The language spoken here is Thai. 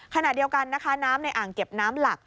ขณะเดียวกันนะคะน้ำในอ่างเก็บน้ำหลัก